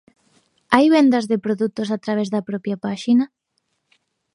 Hai vendas de produtos a través da propia páxina?